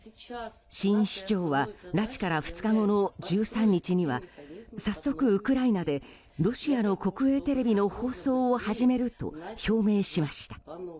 新市長は、拉致から２日後の１３日には早速、ウクライナでロシアの国営テレビの放送を始めると表明しました。